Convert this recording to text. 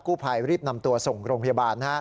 ผู้ภัยรีบนำตัวส่งโรงพยาบาล